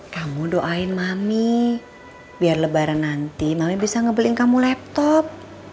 kamu doain mami biar lebaran nanti mami bisa ngebeling kamu laptop